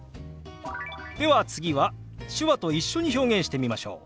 では次は手話と一緒に表現してみましょう。